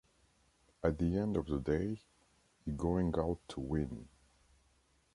At the end of the day, you going out to win.